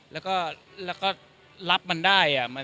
แล้วก็รับมันได้